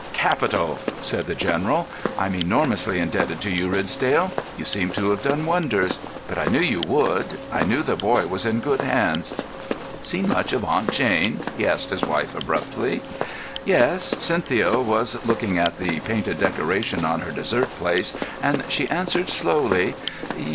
"Capital," said the General. "I'm enormously indebted to you, Ridsdale. You seem to have done wonders. But I knew you would; I knew the boy was in good hands—— Seen much of Aunt Jane?" he asked his wife, abruptly. "Yes." Cynthia was looking at the painted decoration on her dessert plate, and she answered slowly.